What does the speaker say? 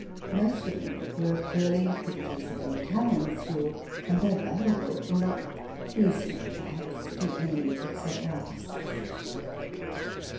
Most of them were early pictures of the Italian school, and, though valuable, not pleasing perhaps to any except artists.